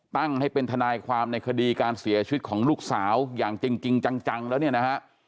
ตั้งให้เป็นทนายความในคดีการเสียชีวิตของลูกสาวอย่างจริงจังแล้วเนี่ยนะฮะ